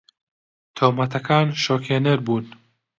تۆمەتەکان شۆکهێنەر بوون.